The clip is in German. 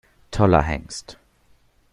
Toller Hengst!